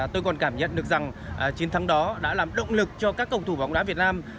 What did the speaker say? tôi còn cảm nhận được rằng chiến thắng đó đã làm động lực cho các cầu thủ bóng đá việt nam